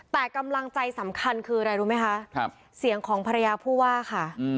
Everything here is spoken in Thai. แต่กำลังใจสำคัญคืออะไรรู้ไหมคะเสียงของภรรยาผู้ว่าค่ะ